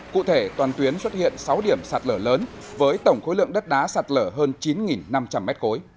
cụ thể toàn tuyến xuất hiện sáu điểm sạt lở lớn với tổng khối lượng đất đá sạt lở hơn chín năm trăm linh m ba